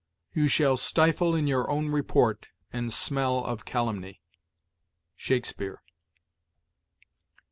"You shall stifle in your own report, and smell of calumny." Shakespeare.